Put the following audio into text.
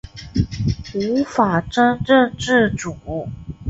无法真正自主